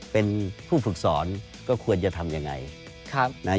เป็นผู้ฝึกสอนก็ควรจะทำยังไง